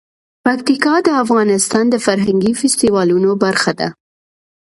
پکتیکا د افغانستان د فرهنګي فستیوالونو برخه ده.